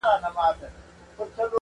زما وجود مي خپل جانان ته نظرانه دی,